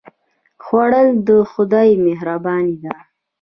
خوړل د خدای مهرباني ده